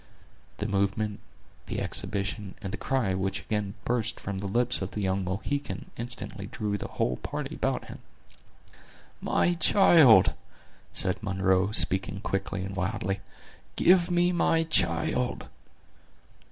The movement, the exhibition, and the cry which again burst from the lips of the young Mohican, instantly drew the whole party about him. "My child!" said Munro, speaking quickly and wildly; "give me my child!"